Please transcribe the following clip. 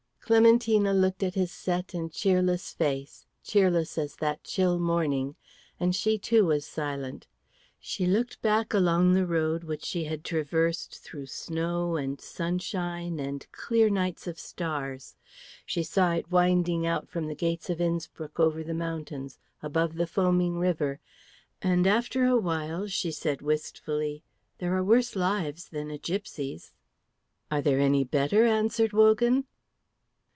Clementina looked at his set and cheerless face, cheerless as that chill morning, and she too was silent. She looked back along the road which she had traversed through snow and sunshine and clear nights of stars; she saw it winding out from the gates of Innspruck over the mountains, above the foaming river, and after a while she said very wistfully, "There are worse lives than a gipsy's." "Are there any better?" answered Wogan.